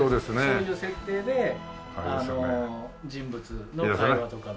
そういう設定で人物の会話とかのシーンを。